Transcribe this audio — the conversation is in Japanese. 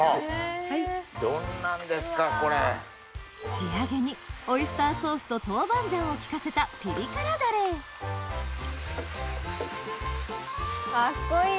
仕上げにオイスターソースと豆板醤を利かせたピリ辛ダレカッコいい！